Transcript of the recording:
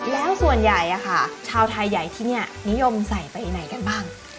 แล้วส่วนใหญ่ชาวไทยใหญ่ที่นี่นิยมใส่ไปไหนกันบ้าง